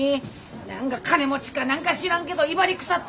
何か金持ちか何か知らんけど威張りくさってな。